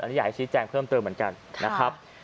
อันนี้อยากให้ชี้แจงเพิ่มเติมเหมือนกันนะครับ